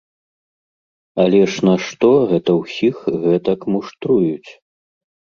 Але ж нашто гэта ўсіх гэтак муштруюць?